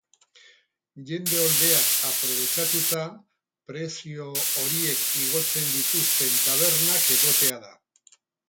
Jende oldeak aprobetxatuta, prezio horiek igotzen dituzten tabernak egotea da.